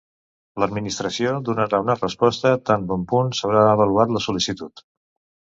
L'Administració donarà una resposta tan bon punt s'haurà avaluat la sol·licitud.